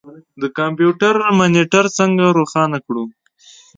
د کمپیوټر مانیټر څنګه روښانه کړو.